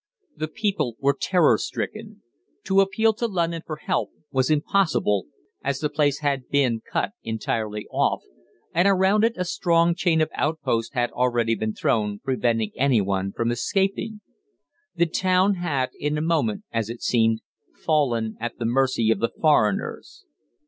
"The people were terror stricken. To appeal to London for help was impossible, as the place had been cut entirely off, and around it a strong chain of outposts had already been thrown, preventing any one from escaping. The town had, in a moment, as it seemed, fallen at the mercy of the foreigners.